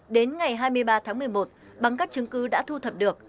đến ngày hai mươi ba tháng một mươi một bằng các chứng cứ đã thu thập được